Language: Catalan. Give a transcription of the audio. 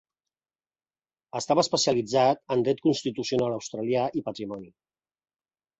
Estava especialitzat en dret constitucional australià i patrimoni.